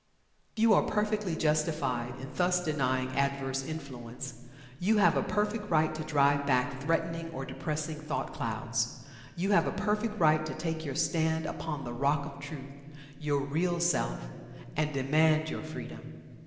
You are perfectly justified in thus denying adverse influence. You have a perfect right to drive back threatening or depressing thought clouds. You have a perfect right to take your stand upon the Rock of Truth your Real Self and demand your Freedom.